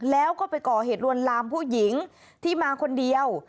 แล้วก็ไปก่อเหตุลวนลามผู้หญิงที่มาคนเดียว